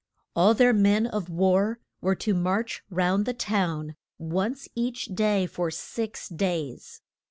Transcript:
All their men of war were to march round the town once each day for six days.